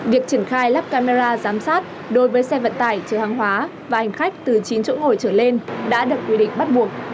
việc triển khai lắp camera giám sát đối với xe vận tải chở hàng hóa và hành khách từ chín chỗ ngồi trở lên đã được quy định bắt buộc